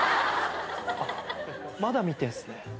まだ見てんすね。